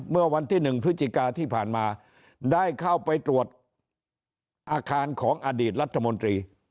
เมื่อวันที่๑พฤศจิกาที่ผ่านมาได้เข้าไปตรวจอาคารของอดีตรัฐมนตรี